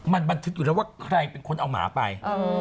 มันบันทึกอยู่แล้วว่าใครเป็นคนเอาหมาไป